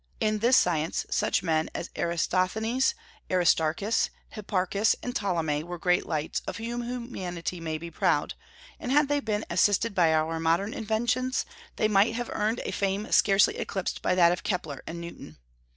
In this science such men as Eratosthenes, Aristarchus, Hipparchus, and Ptolemy were great lights of whom humanity may be proud; and had they been assisted by our modern inventions, they might have earned a fame scarcely eclipsed by that of Kepler and Newton.